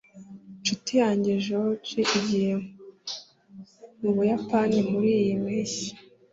inshuti yanjye george igiye mu buyapani muriyi mpeshyi